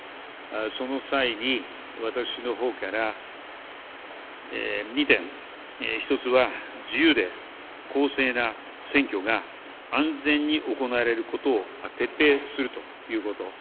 その際に、私の方から２点、１つは自由で公正な選挙が安全に行われることを徹底するということ。